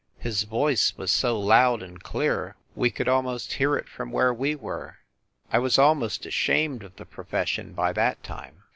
His voice was so loud and clear we could almost hear it from where we were. I was almost ashamed of the profession by that time.